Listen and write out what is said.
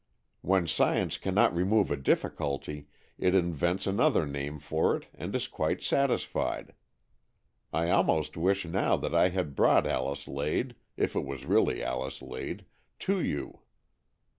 When science cannot remove a difficulty, it invents another name for it and is quite satisfied. I almost wish now that I had brought Alice Lade, if it was really Alice Lade, to you.